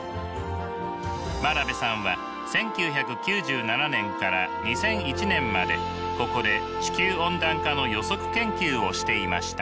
真鍋さんは１９９７年から２００１年までここで地球温暖化の予測研究をしていました。